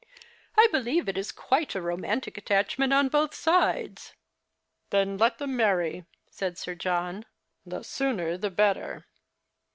" I believe it is quite a romantic attachment on both sides." " Then let them marry," said Sir John ;" the sooner the better."